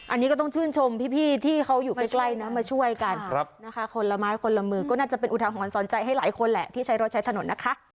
อันนี้ก็ต้องชื่นชมพี่ที่เขาอยู่ใกล้นะมาช่วยกันนะคะคนละไม้คนละมือก็น่าจะเป็นอุทาหรณ์สอนใจให้หลายคนแหละที่ใช้รถใช้ถนนนะคะ